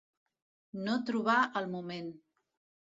No trobar el moment.